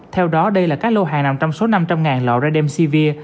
theo đó đây là các lô hàng nằm trong số năm trăm linh lọ redemsevere